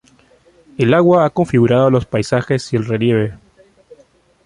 El agua ha configurado los paisajes y el relieve.